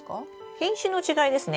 品種の違いですね。